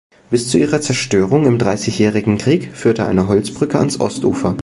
Bis zu ihrer Zerstörung im Dreißigjährigen Krieg führte eine Holzbrücke ans Ostufer.